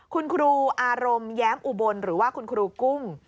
คุณครูอารมณ์แย้มอุบลหรือว่าคุณครูกุ้ง